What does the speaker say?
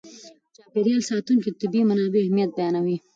چاپېر یال ساتونکي د طبیعي منابعو اهمیت بیانوي.